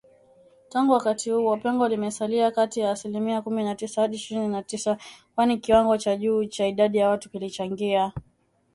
Tangu wakati huo, pengo limesalia kati ya asilimia kumi na tisa hadi ishirini na sita, kwani kiwango cha juu cha idadi ya watu kilichangia